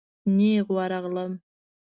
نېغ ورغلم.